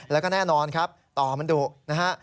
แล้วก็แน่นอนครับต่อมันดุนะฮะ